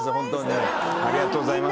ありがとうございます。